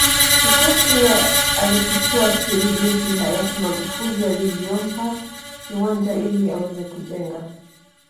Kikwete alifichua siri jinsi Hayati Magufuli alivyompa kiwanja ili aweze kujenga